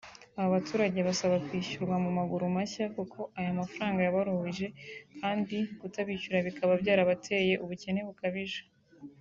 Aba baturage basaba kwishyurwa mu maguru mashya kuko ayo mafaranga yabaruhije kandi kutabishyura bikaba byarabateye ubukene bukabije